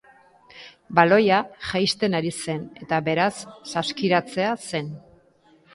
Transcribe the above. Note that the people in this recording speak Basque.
Baloia jaisten ari zen eta beraz, saskiratzea zen.